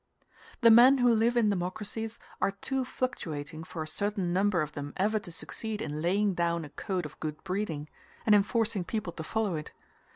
The men who live in democracies are too fluctuating for a certain number of them ever to succeed in laying down a code of good breeding, and in forcing people to follow it.